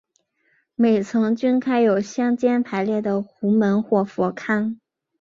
每层均开有相间排列的壸门或佛龛。